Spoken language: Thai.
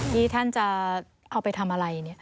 ที่ท่านจะเอาไปทำอะไร